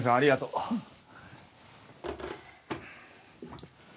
うん。